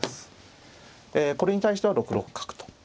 えこれに対しては６六角と。